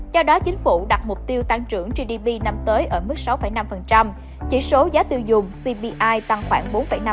do đó chính phủ đặt mục tiêu tăng trưởng gdp năm tới ở mức sáu năm chỉ số giá tiêu dùng cpi tăng khoảng bốn năm